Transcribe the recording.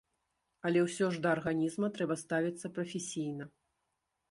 Але ўсё ж да арганізма трэба ставіцца прафесійна.